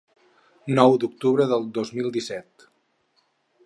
Nou d'octubre de dos mil disset.